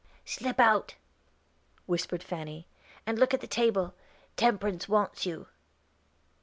"Slip out," whispered Fanny, "and look at the table; Temperance wants you."